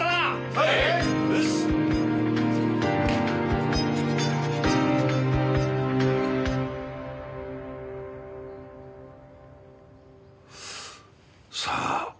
はい！さあ？